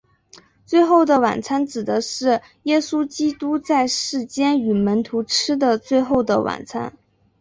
最后的晚餐指的是耶稣基督在世间与门徒吃的最后的晚餐。